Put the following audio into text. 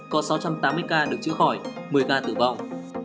có sáu trăm tám mươi ca được chữa khỏi một mươi ca tử vong